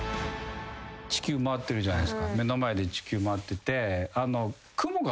地球回ってるじゃないですか目の前で地球回ってて。